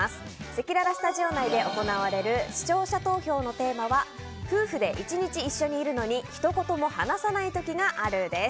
せきららスタジオ内で行われる視聴者投票のテーマは夫婦で一日一緒にいるのに一言も話さない時があるです。